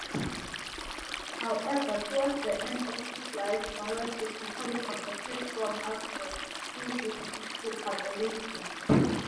However, towards the end of his life Maurras eventually converted from agnosticism to Catholicism.